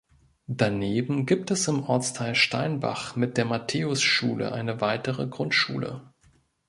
Daneben gibt es im Ortsteil Steinbach mit der Matthäus-Schule eine weitere Grundschule.